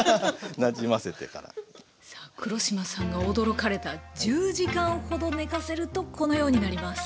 黒島さんが驚かれた１０時間ほどねかせるとこのようになります。